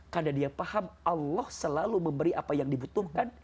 karena dia paham allah selalu memberi apa yang dibutuhkan